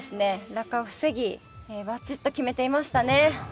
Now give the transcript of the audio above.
落下を防ぎバチッと決めていましたね。